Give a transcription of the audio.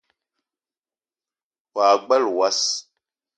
Wa gbele wass